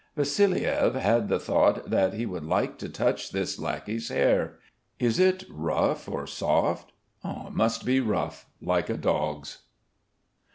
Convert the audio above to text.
Vassiliev had the thought that he would like to touch this lackey's hair: is it rough or soft f It must be rough like a dog's.